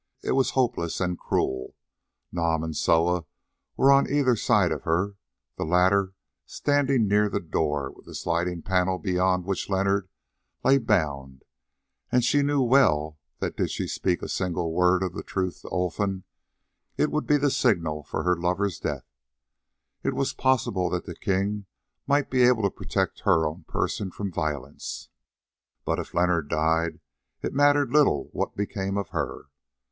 It was hopeless and cruel. Nam and Soa were on either side of her, the latter standing near the door with the sliding panel beyond which Leonard lay bound, and she knew well that did she speak a single word of the truth to Olfan, it would be the signal for her lover's death. It was possible that the king might be able to protect her own person from violence, but if Leonard died it mattered little what became of her.